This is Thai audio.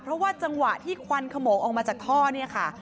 เพราะว่าจังหวะที่ควันขโมงออกมาจากท่อเนี่ยค่ะ